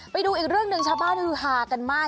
ไปดูอีกเรื่องหนึ่งชาวบ้านฮือฮากันมาก